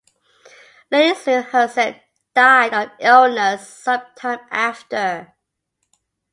Lady Xu herself died of illness sometime after.